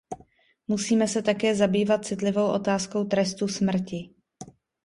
Musíme se také zabývat citlivou otázkou trestu smrti.